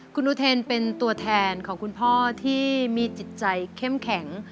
คุณอุเทนเป็นตัวแทนของคุณพ่อที่มีจิตใจเข้มแข็ง